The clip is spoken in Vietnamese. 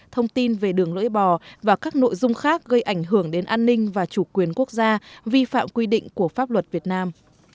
thông tin về đường lưỡi bò và các nội dung khác gây ảnh hưởng đến an ninh và chủ quyền quốc gia vi phạm quy định của pháp luật việt nam